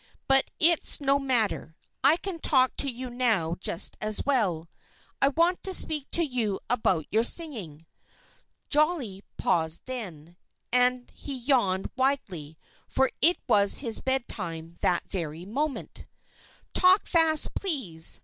"But it's no matter. I can talk to you now just as well. I want to speak to you about your singing." Jolly paused then; and he yawned widely, for it was his bed time that very moment. "Talk fast, please!"